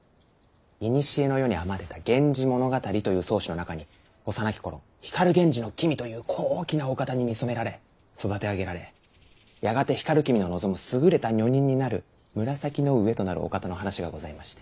古の世に編まれた源氏物語という草子の中に幼き頃光源氏の君という高貴なお方に見初められ育て上げられやがて光君の望むすぐれた女人になる紫の上となるお方の話がございまして。